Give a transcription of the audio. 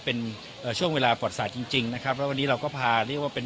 เป็นเอ่อช่วงเวลาปลอดศาสตร์จริงจริงนะครับแล้ววันนี้เราก็พาเรียกว่าเป็น